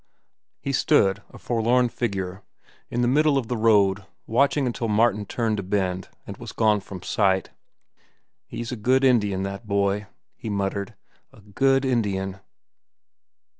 He stood, a forlorn figure, in the middle of the road, watching until Martin turned a bend and was gone from sight. "He's a good Indian, that boy," he muttered. "A good Indian."